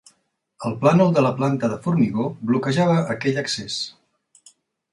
El plànol de la planta de formigó bloquejava aquell accés.